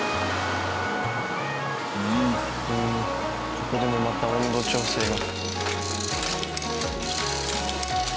ここでもまた温度調整が。